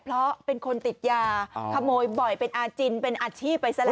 เพราะเป็นคนติดยาขโมยบ่อยเป็นอาจินเป็นอาชีพไปซะแล้ว